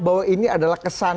bahwa ini adalah kesan